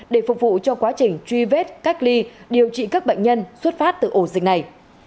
để phục vụ cho quá trình truy vết cách ly điều trị các bệnh nhân xuất phát từ ổ dịch này